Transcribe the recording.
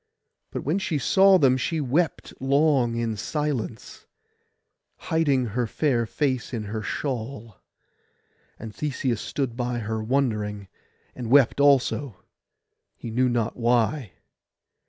But when she saw them she wept long in silence, hiding her fair face in her shawl; and Theseus stood by her wondering, and wept also, he knew not why.